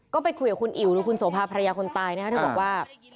ก็ไปคุยกับคุณอิ๋วหรือคุณโสภาพภรรยาคนตายนะครับเธอบอกว่า